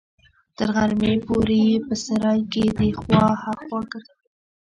تر غرمې پورې يې په سراى کښې دې خوا ها خوا ګرځولم.